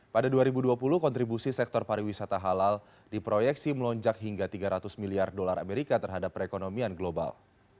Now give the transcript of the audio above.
pada dua ribu dua puluh kontribusi sektor pariwisata halal diproyeksi melonjak hingga tiga ratus miliar dolar amerika terhadap perekonomian global